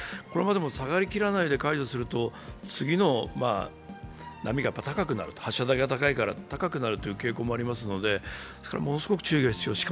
これまでも下がりきらないで解除すると、次の波が高くなる、発射台が高いから高くなるという傾向がありますので、ものすごく注意が必要。